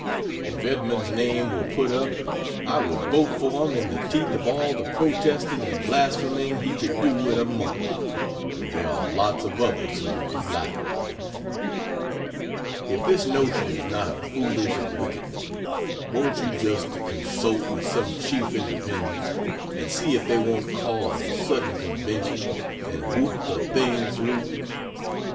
If Edmunds's name were put up, I would vote for him in the teeth of all the protesting and blaspheming he could do in a month; and there are lots of others who would do likewise. If this notion is not a foolish and wicked one, won't you just consult with some chief Independents, and see if they won't call a sudden convention and whoop the thing through?